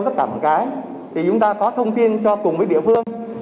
tất cả mọi cái thì chúng ta có thông tin cho cùng với địa phương